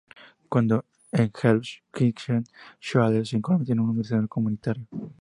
Cuando en Hell's Kitchen, Shades se convirtió en un organizador comunitario.